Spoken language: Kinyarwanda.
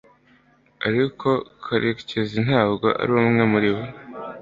ariko karekezi ntabwo ari umwe muri bo